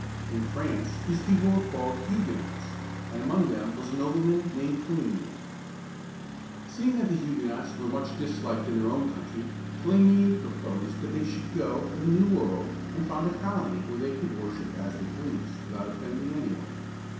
In France these people were called Hu´gue nots, and among them was a nobleman named Coligny (co leen´ye). Seeing that the Huguenots were much disliked in their own country, Coligny proposed that they should go to the New World and found a colony where they could worship as they pleased without offending any one.